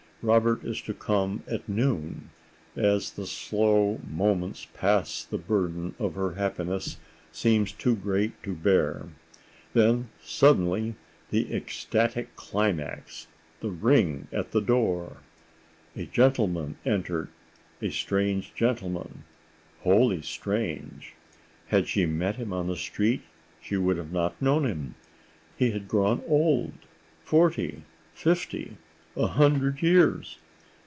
Robert is to come at noon; as the slow moments pass the burden of her happiness seems too great to bear. And then suddenly the ecstatic climax—the ring at the door.... "A gentleman entered. A strange gentleman. Wholly strange. Had she met him on the street she would not have known him. He had grown old—forty, fifty, a hundred years.